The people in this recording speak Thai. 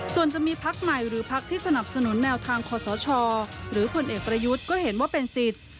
ส่วนจะมีพักใหม่หรือพักที่สนับสนุนแนวทางขอสชหรือผลเอกประยุทธ์ก็เห็นว่าเป็นสิทธิ์